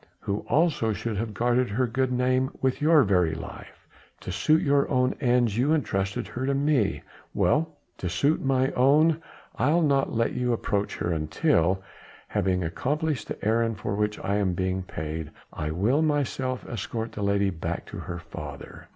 who also should have guarded her good name with your very life. To suit your own ends, you entrusted her to me! Well! to suit mine own I'll not let you approach her, until having accomplished the errand for which I am being paid I will myself escort the lady back to her father.